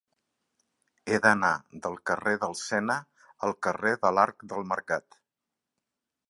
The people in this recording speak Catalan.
He d'anar del carrer del Sena al carrer de l'Arc del Mercat.